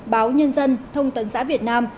báo nhân dân thông tấn xã việt nam